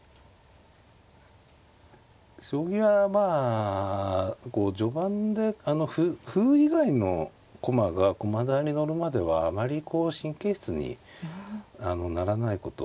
将棋はまあ序盤で歩以外の駒が駒台に載るまではあまりこう神経質にならないことをね